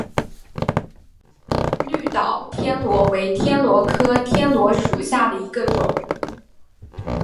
绿岛天螺为天螺科天螺属下的一个种。